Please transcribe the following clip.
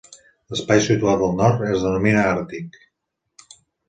L'Espai situat al nord es denomina Àrtic.